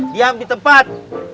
diam di tempat